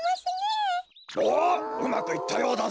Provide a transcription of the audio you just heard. おっうまくいったようだぞ。